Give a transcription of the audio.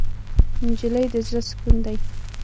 نجلۍ د زړه سکون دی.